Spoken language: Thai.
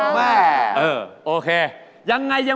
ใช้พลังสมองของคุณ